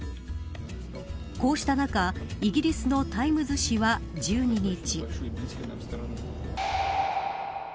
こうした中イギリスのタイムズ紙は１２日。